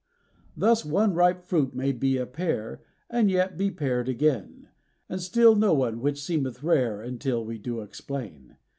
Thus, one ripe fruit may be a pear, and yet be pared again, And still no one, which seemeth rare until we do explain.